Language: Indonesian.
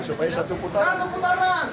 supaya satu putaran